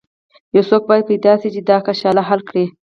یو څوک باید پیدا شي چې دا کشاله حل کړي.